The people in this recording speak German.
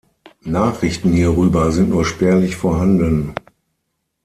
Nachrichten hierüber sind nur spärlich vorhanden.